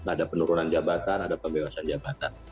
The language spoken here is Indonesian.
ada penurunan jabatan ada pembebasan jabatan